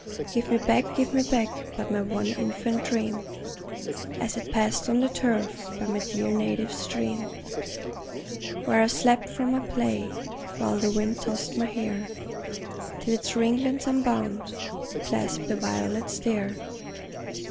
Give me back, give me back but my one infant dream, As it passed on the turf by my dear native stream, Where I slept from my play, while the wind tossed my hair, Till its ringlets, unbound, clasped the violets there.